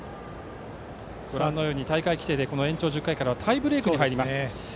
ご覧のように大会規定でこの延長１０回からはタイブレークに入ります。